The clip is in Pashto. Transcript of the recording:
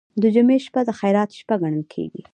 د جمعې شپه د خیرات شپه ګڼل کیږي.